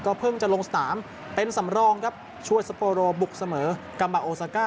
ก็เพิ่งจะลงสนามเป็นสำรองครับช่วยซัปโบรอบุกเสมอกำเรานีส่อง